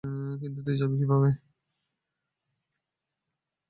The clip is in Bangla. কিন্তু তুই যাবি কিভাবে?